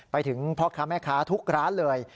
ไปถึงพ่อค้าแม่ค้าทุกร้านเลย